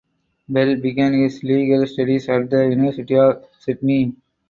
Bell began his legal studies at the University of Sydney.